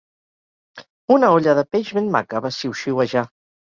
"Una olla de peix ben maca", va xiuxiuejar.